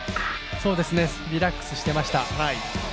リラックスしていました。